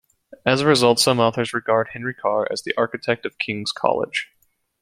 As a result, some authors regard Henry Carr as the "architect of King's College".